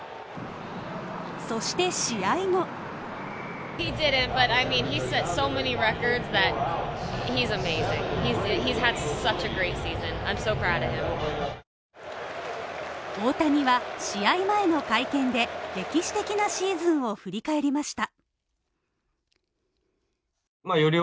そして試合後大谷は、試合前の会見で、歴史的なシーズンを振り返りました。